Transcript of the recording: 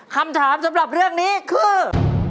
คำถามสำหรับเรื่องนี้คือ